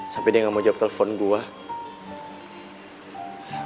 sampai dia gak mau jawab telepon gue